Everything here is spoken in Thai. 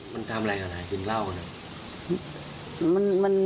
มันทำอะไรกับนายกินเหล้ากัน